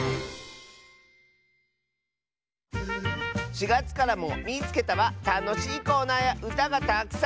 ４がつからも「みいつけた！」はたのしいコーナーやうたがたくさん！